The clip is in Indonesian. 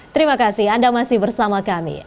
terima kasih anda masih bersama kami